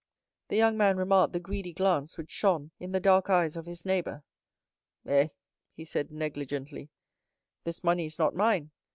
The young man remarked the greedy glance which shone in the dark eyes of his neighbor. "Eh," he said, negligently, "this money is not mine.